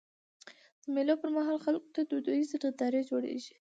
د مېلو پر مهال خلکو ته دودیزي نندارې جوړيږي.